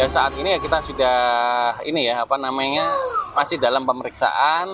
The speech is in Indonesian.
saat ini kita sudah masih dalam pemeriksaan